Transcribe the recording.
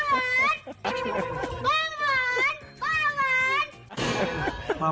ป้าหวานป้าหวาน